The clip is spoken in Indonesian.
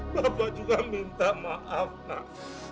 bapak juga minta maaf nak